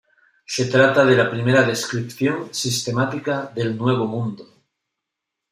Se trata de la primera descripción sistemática del Nuevo Mundo.